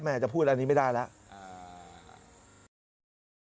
จะพูดอันนี้ไม่ได้แล้ว